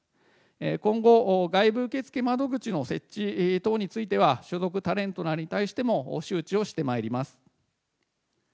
今後、外部受け付け窓口の設置等については、所属タレントらに対しても周知をしてまいります。